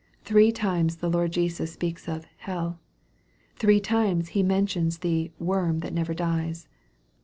Three times the Lord Jesus speaks of " hell." Three times He men tions the " worm that never dies."